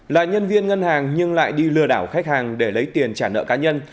là nhân viên ngân hàng nhưng lại đi lừa đảo khách hàng để lấy tiền trả nợ cá nhân